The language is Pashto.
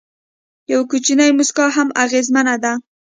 یو کوچنی موسکا هم اغېزمنه ده.